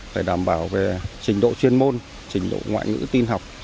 phải đảm bảo về trình độ chuyên môn trình độ ngoại ngữ tin học